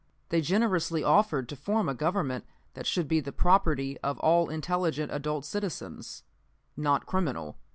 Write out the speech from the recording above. They generously offered to form a Government that should be the property of all intelligent adult citizens, not criminal.